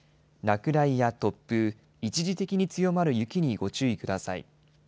落雷や突風、一時的に強まる雪にご注意ください。